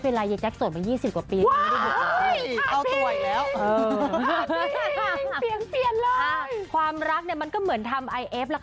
๔ปีน่าเหมือนกันนะ